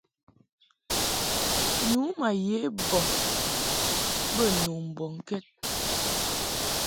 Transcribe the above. Nu ma ye bɔŋ bə nu mbɔŋkɛd.